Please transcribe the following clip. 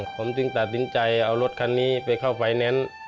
ผมจึงตัดสินใจเอารถคันนี้ไปเข้าไฟแนนซ์